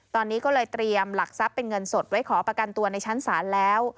ตอนนี้ก็เลยเตรียมหลักทรัพย์เป็นเงินสดไว้ขอประกันตัวในชั้นศาลแล้ว